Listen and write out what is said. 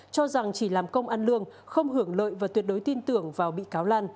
cho rằng chỉ làm công ăn lương không hưởng lợi và tuyệt đối tin tưởng vào bị cáo lan